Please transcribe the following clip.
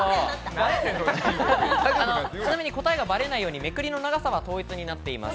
ちなみに答えがバレないようにめくりの長さは統一になっています。